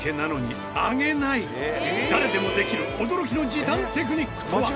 誰でもできる驚きの時短テクニックとは？